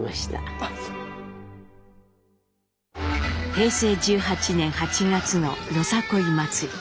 平成１８年８月のよさこい祭り。